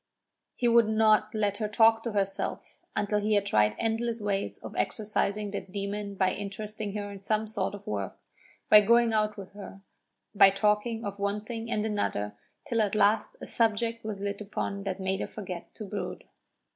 He would not let her talk to herself until he had tried endless ways of exorcising that demon by interesting her in some sort of work, by going out with her, by talking of one thing and another till at last a subject was lit upon that made her forget to brood.